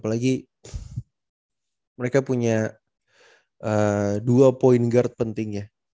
jadi mereka punya dua point guard penting ya